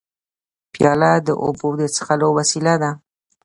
پیاله د اوبو د څښلو وسیله ده.